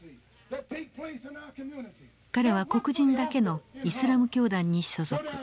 彼は黒人だけのイスラム教団に所属。